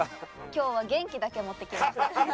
今日は元気だけ持ってきました。